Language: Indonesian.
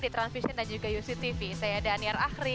transvision dan juga yusi tv saya daniel ahri